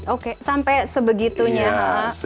oke sampai sebegitunya